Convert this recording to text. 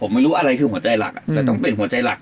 ผมไม่รู้อะไรคือหัวใจหลักแต่ต้องเป็นหัวใจหลัก